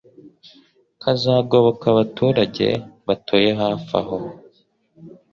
kazagoboka abaturage batuye hafaho